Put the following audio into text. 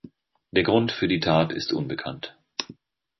Der Grund für die Tat ist unbekannt.